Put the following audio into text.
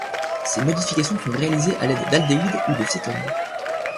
Ces modifications sont réalisées à l'aide d'aldéhydes ou de cétones.